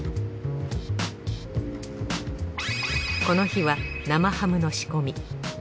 この日は生ハムの仕込み。